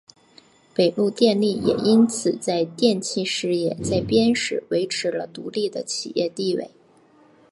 北陆电力也因此在电气事业再编时维持了独立的企业地位。